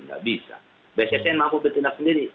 nggak bisa bssn mampu bertindak sendiri